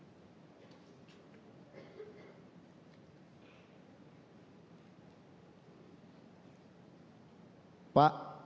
terima kasih pak